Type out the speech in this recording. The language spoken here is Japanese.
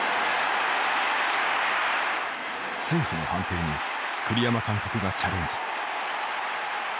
セーフの判定に栗山監督がチャレンジ。